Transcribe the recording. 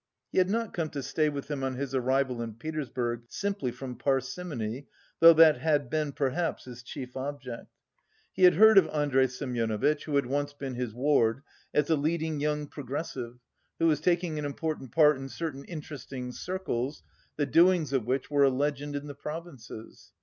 He had not come to stay with him on his arrival in Petersburg simply from parsimony, though that had been perhaps his chief object. He had heard of Andrey Semyonovitch, who had once been his ward, as a leading young progressive who was taking an important part in certain interesting circles, the doings of which were a legend in the provinces.